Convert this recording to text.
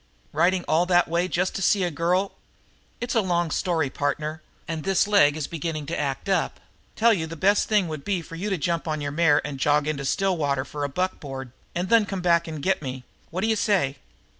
"Riding all that way just to see a girl " "It's a long story, partner, and this leg is beginning to act up. Tell you the best thing would be for you to jump on your mare and jog into Stillwater for a buckboard and then come back and get me. What d'you say?"